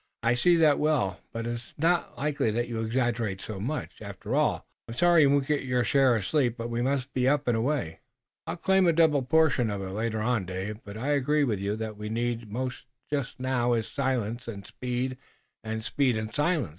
I see that well, but 'tis not likely that you exaggerate so much, after all. I'm sorry you won't get your share of sleep, but we must be up and away." "I'll claim a double portion of it later on, Dave, but I agree with you that what we need most just now is silence and speed, and speed and silence."